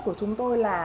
của chúng tôi là